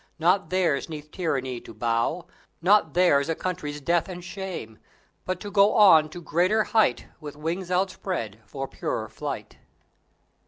Not theirs 'neath tyranny to bow; Not theirs a country's death and shame; But to go on to greater height With wings outspread for purer flight.